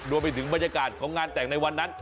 ดวงไปถึงบรรยากาศของงานแต่งในวันนั้น